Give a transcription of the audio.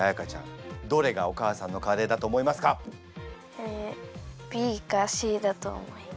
えＢかＣだと思います。